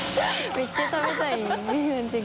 めっちゃ食べたい感じが。